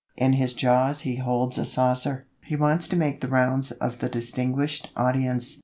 In his jaws he holds a saucer; he wants to make the rounds of the "distinguished audience."